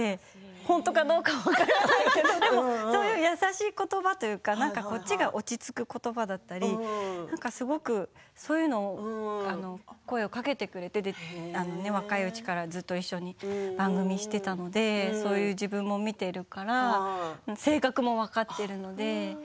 本当かどうか分からないけどでもそういう優しい言葉というかこっちが落ち着く言葉だったりそういうのを声をかけてくれて若いうちからずっと一緒に番組をしていたのでそういう自分を見ているから性格も分かっているので。